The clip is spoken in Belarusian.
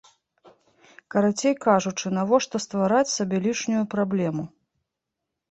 Карацей кажучы, навошта ствараць сабе лішнюю праблему?